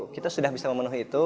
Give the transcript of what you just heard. kita sudah bisa memenuhi itu